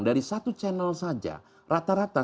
dari satu channel saja rata rata